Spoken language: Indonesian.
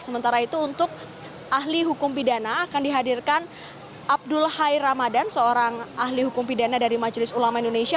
sementara itu untuk ahli hukum pidana akan dihadirkan abdul hai ramadan seorang ahli hukum pidana dari majelis ulama indonesia